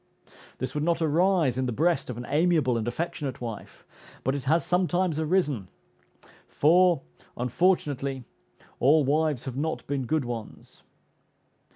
This would not arise in the breast of an amiable and affectionate wife, but it has sometimes arisen; for, unfortunately, all wives have not been good ones.